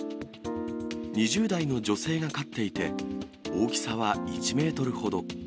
２０代の女性が飼っていて、大きさは１メートルほど。